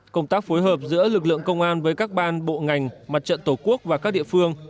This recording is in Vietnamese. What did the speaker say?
công tác phối hợp giữa lực lượng công an với các ban bộ ngành mặt trận tổ quốc và các địa phương